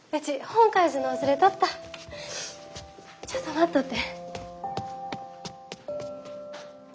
ちょっと待っとって。